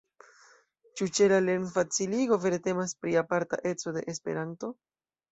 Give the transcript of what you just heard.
Ĉu ĉe la lernfaciligo vere temas pri aparta eco de Esperanto?